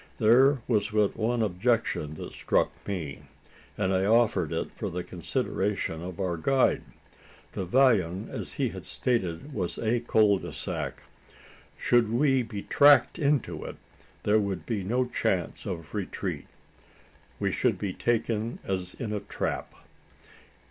There was but one objection that struck me; and I offered it for the consideration of our guide. The vallon as he had stated, was a cul de sac. Should we be tracked into it, there would be no chance of retreat: we should be taken as in a trap?